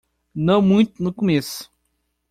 Não muito no começo